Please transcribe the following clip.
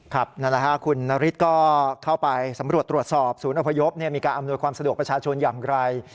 นั่นแหละฮะคุณนฤทธิ์ก็เข้าไปสำรวจตรวจสอบศูนย์อพยพมีการอำนวยความสะดวกประชาชนอย่างไร